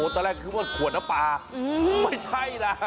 ตอนแรกคิดว่าขวดน้ำปลาไม่ใช่นะ